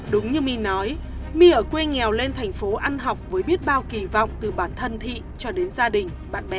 đúng như my nói my ở quê nghèo lên thành phố ăn học với biết bao kỳ vọng từ bản thân thị cho đến gia đình bạn bè